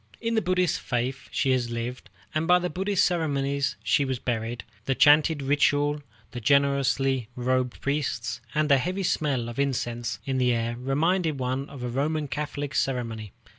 In the Buddhist faith she had lived, and by the Buddhist ceremonial she was buried, the chanted ritual, the gorgeously robed priests, and the heavy smell of incense in the air reminding one of a Roman Catholic ceremony.